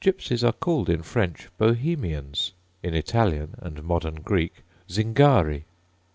Gypsies are called in French, Bohemians; in Italian and modern Greek, Zingari.